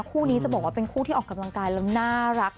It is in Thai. คู่นี้จะบอกว่าเป็นคู่ที่ออกกำลังกายแล้วน่ารัก